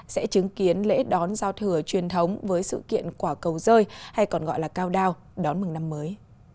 sẽ chứng kiến lễ đón giao thừa truyền thống với sự kiện quả cầu rơi hay còn gọi là cao đao đón mừng năm mới